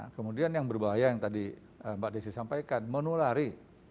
kemudian yang berbahaya yang tadi mbak desi sampaikan menulari